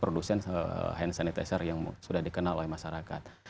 produsen hand sanitizer yang sudah dikenal oleh masyarakat